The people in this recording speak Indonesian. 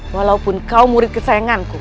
walaupun kau murid kesayanganku